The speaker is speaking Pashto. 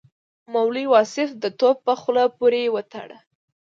مولوي واصف د توپ په خوله پورې وتاړه.